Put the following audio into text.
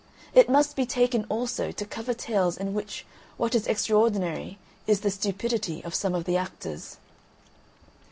It must be taken also to cover tales in which what is extraordinary is the stupidity of some of the actors.